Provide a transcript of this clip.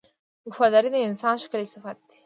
• وفاداري د انسان ښکلی صفت دی.